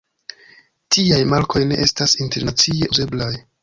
Tiaj markoj ne estas internacie uzeblaj.